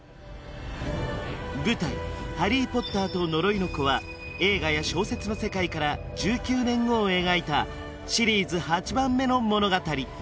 「ハリー・ポッターと呪いの子」は映画や小説の世界から１９年後を描いたシリーズ８番目の物語